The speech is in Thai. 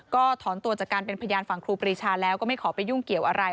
ก็ถอนตัวจากการเป็นพยานฝั่งครูปรีชาแล้วก็ไม่ขอไปยุ่งเกี่ยวอะไร